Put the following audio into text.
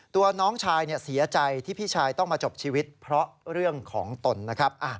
ตัวน้องชายเสียใจที่พี่ชายต้องมาจบชีวิตเพราะเรื่องของตนนะครับ